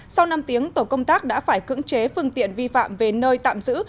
sau năm tiếng tổ công tác đã phải cưỡng chế phương tiện vi phạm về nơi tạm giữ